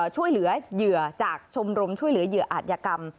ช่วยเหลือเหยื่อจากชมรมช่วยเหลือเหยื่ออาจยกรรม